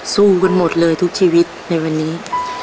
สู้กันหมดเลยทุกชีวิตในวันนี้